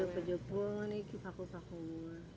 ini banyak banyak ini dikakul kakul